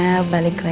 aku mau ke rumah